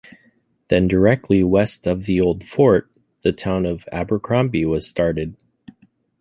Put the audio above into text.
Then directly west of the old fort, the town of Abercrombie was started.